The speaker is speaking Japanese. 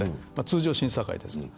通常、審査会ですね。